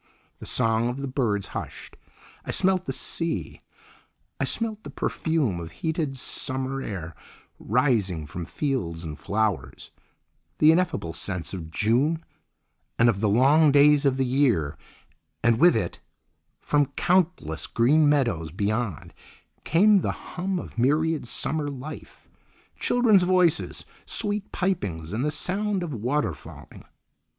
The song of the birds hushed—I smelt the sea—I smelt the perfume of heated summer air rising from fields and flowers, the ineffable scents of June and of the long days of the year—and with it, from countless green meadows beyond, came the hum of myriad summer life, children's voices, sweet pipings, and the sound of water falling.